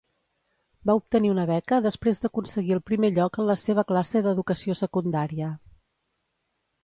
Va obtenir una beca després d'aconseguir el primer lloc en la seva classe d'educació secundària.